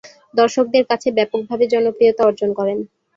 দর্শকদের কাছে ব্যাপকভাবে জনপ্রিয়তা অর্জন করেন।